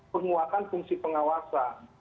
penguatan fungsi pengawasan